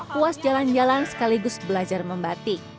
puas jalan jalan sekaligus belajar membatik